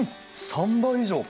３倍以上か。